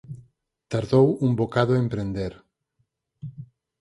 Tardou un bocado en prender.